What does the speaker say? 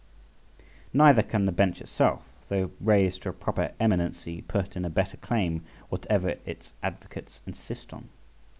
Neither can the Bench itself, though raised to a proper eminency, put in a better claim, whatever its advocates insist on.